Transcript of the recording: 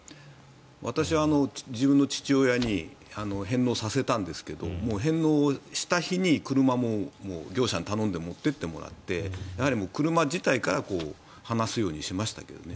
私は自分の父親に返納させたんですがもう返納した日に車も、業者に頼んで持って行ってもらってやはり車自体から離すようにしましたけどね。